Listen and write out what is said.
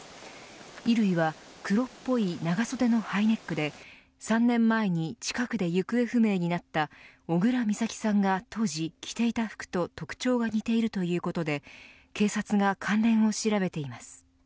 衣類は黒っぽい長袖のハイネックで３年前に近くで行方不明になった小倉美咲さんが当時着ていた服と特徴が似ているということで警察が関連を調べています。